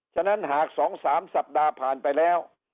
ฉะนั้นหาก๒๓สัปดาห์ผ่านไปแล้ว